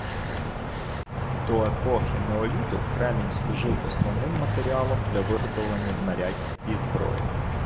До епохи неоліту кремінь служив основним матеріалом для виготовлення знарядь і зброї.